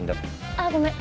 ああごめん。